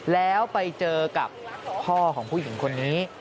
แล้วไปเจอกับพ่อของผู้หญิงคนนี้